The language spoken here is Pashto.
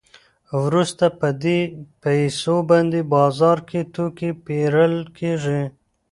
وروسته په دې پیسو باندې بازار کې توکي پېرل کېږي